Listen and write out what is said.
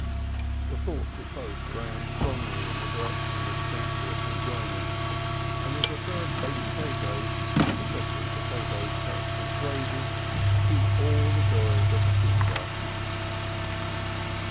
The thoughts of both ran strongly in the direction of sensuous enjoyment, and they preferred baked potatoes, especially potatoes touched with gravy, to all the joys of the kindergarten.